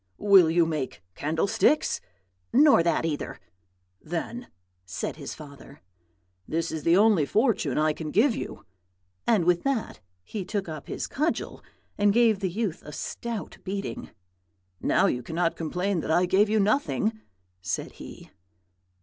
"'Will you make candlesticks?' "'Nor that either.' "'Then,' said his father, 'this is the only fortune I can give you;' and with that he took up his cudgel and gave the youth a stout beating. 'Now you cannot complain that I gave you nothing,' said he.